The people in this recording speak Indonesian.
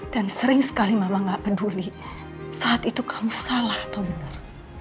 dan sering sekali mama nggak peduli saat itu kamu salah atau benar